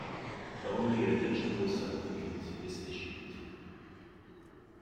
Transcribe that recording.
Only a digital certificate is issued.